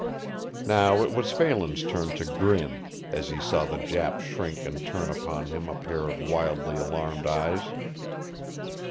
Now it was Phelan's turn to grin as he saw the Jap shrink and turn upon him a pair of wildly alarmed eyes.